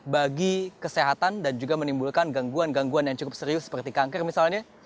bagi kesehatan dan juga menimbulkan gangguan gangguan yang cukup serius seperti kanker misalnya